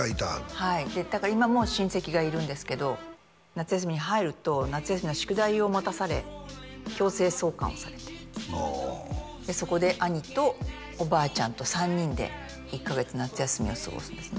はいだから今も親戚がいるんですけど夏休みに入ると夏休みの宿題を持たされ強制送還をされてああそこで兄とおばあちゃんと３人で１カ月夏休みを過ごすんですね